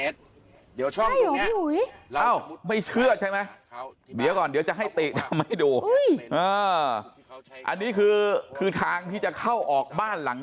ใต้ว่าหีวุ่ยอ้าวไม่เชื่อใช่ไหมเดี๋ยวก่อนเดี๋ยวจะให้ติดำให้ดูอ่าอันนี้คือคือทางที่จะเข้าออกบ้านหลัง๒